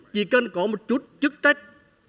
chỉ cần có một chút chức trách